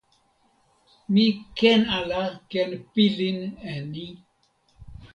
mi ken ala ken pilin e ni: